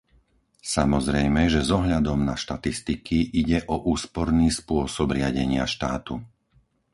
Samozrejme, že s ohľadom na štatistiky ide o úsporný spôsob riadenia štátu.